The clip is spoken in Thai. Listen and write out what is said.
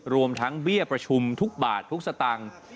รวมทั้งเบี้ยประชุมทุกบาททุกสตางค์